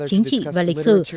chính trị và lịch sử